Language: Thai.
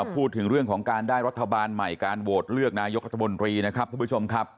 พูดถึงเรื่องของการได้รัฐบาลใหม่การโหวตเลือกนายกรัฐมนตรีนะครับทุกผู้ชมครับ